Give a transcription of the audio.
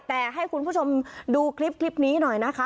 แต่ให้คุณผู้ชมดูคลิปนี้หน่อยนะคะ